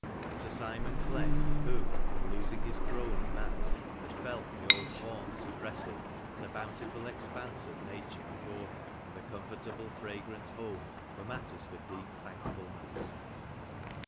To Simon Clegg, who, in losing his crony Matt, had felt the old haunts oppressive, the bountiful expanse of nature before him, and the comfortable fragrant home, were matters for deep thankfulness.